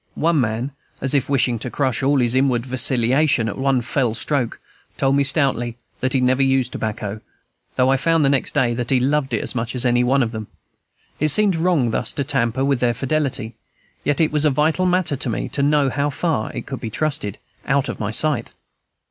One man, as if wishing to crush all his inward vacillation at one fell stroke, told me stoutly that he never used tobacco, though I found next day that he loved it as much as any one of them. It seemed wrong thus to tamper with their fidelity; yet it was a vital matter to me to know how far it could be trusted, out of my sight.